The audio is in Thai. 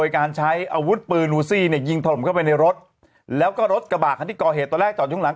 ไปดูไม่มีล่องลอยของ